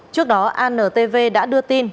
trước đó antv đã đưa tin